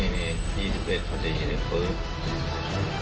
นี่นี่๒๑ประเทศ